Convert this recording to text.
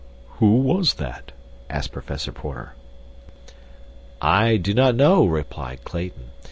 "Who was that?" asked Professor Porter. "I do not know," replied Clayton.